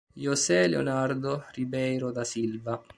José Leonardo Ribeiro da Silva